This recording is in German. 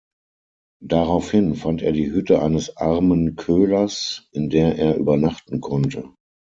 Daraufhin fand er die Hütte eines armen Köhlers, in der er übernachten konnte.